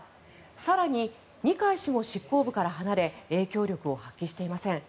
更に、二階氏も執行部から離れ影響力を発揮していません。